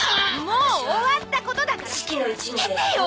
もう終わったことだから捨ててよ！